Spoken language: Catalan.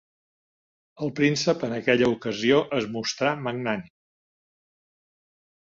El príncep en aquella ocasió es mostrà magnànim.